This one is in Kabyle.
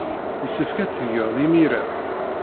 Yessefk ad t-tgeḍ imir-a.